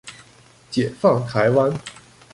解放台灣